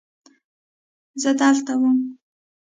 زه دلته وم.